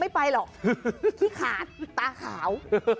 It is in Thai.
ไปหรอกขี้ขาดตาขาว